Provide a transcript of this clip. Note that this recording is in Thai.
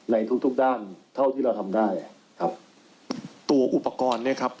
ในทุกทุกด้านเท่าที่เราทำได้ครับตัวอุปกรณ์เนี้ยครับ